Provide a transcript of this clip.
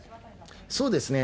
そうですね。